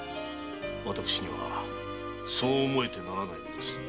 私にはそう思えてならないのです。